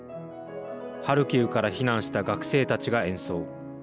ハルキウから避難した学生たちが演奏。